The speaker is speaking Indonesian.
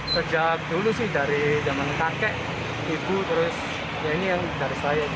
sejak dulu sih dari zaman kakek ibu terus ya ini yang dari saya